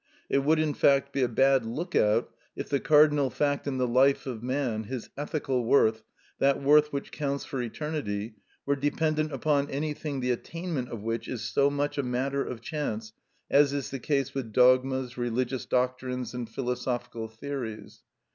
It would, in fact, be a bad look out if the cardinal fact in the life of man, his ethical worth, that worth which counts for eternity, were dependent upon anything the attainment of which is so much a matter of chance as is the case with dogmas, religious doctrines, and philosophical theories.